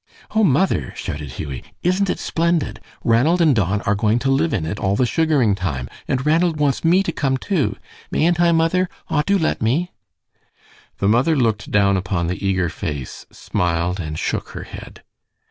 "Oh, mother!" shouted Hughie, "isn't it splendid? Ranald and Don are going to live in it all the sugaring time, and Ranald wants me to come, too. Mayn't I, mother? Aw, do let me." The mother looked down upon the eager face, smiled, and shook her head.